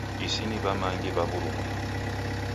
Isi ni wamangi wa wurumwengu.